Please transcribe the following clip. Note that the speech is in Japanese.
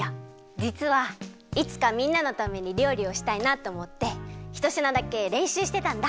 じつはいつかみんなのためにりょうりをしたいなっておもってひとしなだけれんしゅうしてたんだ。